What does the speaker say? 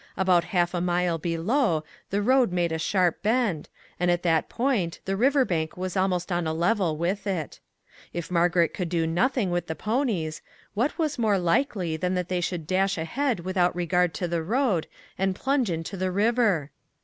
About half a mile below, the road made a sharp bend, and at that point the river bank was almost on a level with it. If Margaret could do nothing with the ponies, what was more likely than that they should dash ahead without regard to the road, and plunge into the river?